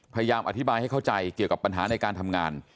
พยายามอธิบายให้เข้าใจเกี่ยวกับปัญหาในการทำงาน